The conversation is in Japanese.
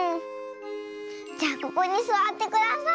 じゃあここにすわってください。